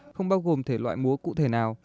không bao gồm thể loại múa cụ thể nào